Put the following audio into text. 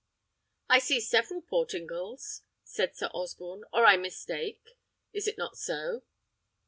"I see several Portingals," said Sir Osborne, "or I mistake. Is it not so?"